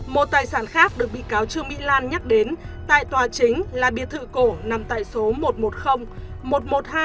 một tài sản khác được bị cáo trương mỹ lan nhắc đến tại tòa chính là biệt thự cổ nằm tại số một trăm một mươi